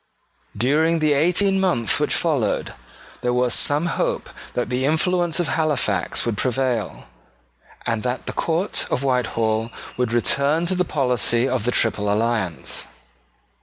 During the eighteen months which followed, there was some hope that the influence of Halifax would prevail, and that the court of Whitehall would return to the policy of the Triple Alliance.